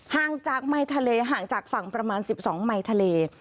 ห่างจากไมค์ทะเลห่างจากฝั่งประมาณ๑๒ไมค์ทะเล